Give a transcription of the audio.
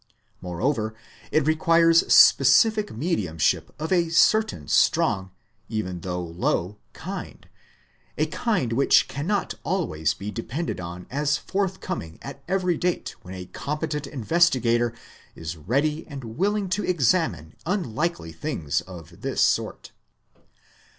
Moreover, it requires specific mediumship of a certain strong, even though low, kind a kind which cannot always be depended on as forthcoming at every date when a competent investigator is ready and willing to examine unlikely things of this sort.